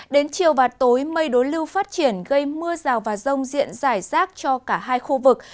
đến chiều và tối mây đối lưu phát triển gây mưa rào và rông diện rải rác cho cả hai khu vực